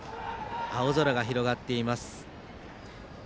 青空が広がっています。